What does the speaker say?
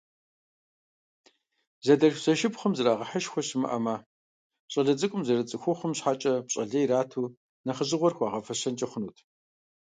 Зэдэлъху-зэшыпхъум зэрагъэхьышхуэ щымыӀэмэ, щӀалэ цӀыкӀум зэрыцӀыхухъум щхьэкӀэ пщӀэ лей ирату нэхъыжьыгъуэр хуагъэфэщэнкӀэ хъунут.